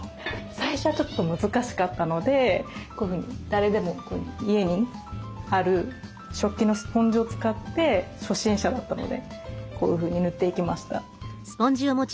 最初はちょっと難しかったのでこういうふうに誰でも家にある食器のスポンジを使って初心者だったのでこういうふうに塗っていきました。